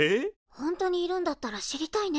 本当にいるんだったら知りたいね